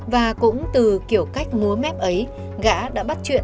và cũng từ kiểu cách ngúa mép ấy